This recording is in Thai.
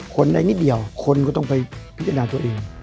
ได้นิดเดียวคนก็ต้องไปพิจารณาตัวเอง